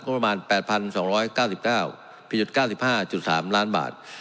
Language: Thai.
ประมาณ๘๒๙๙ผิด๙๕๓ล้านบาท